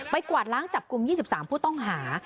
กวาดล้างจับกลุ่ม๒๓ผู้ต้องหา